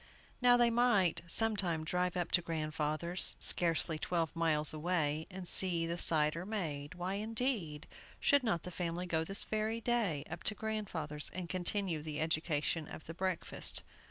Now, they might some time drive up to grandfather's, scarcely twelve miles away, and see the cider made. Why, indeed, should not the family go this very day up to grandfather's, and continue the education of the breakfast?